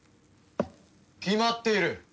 決まっている。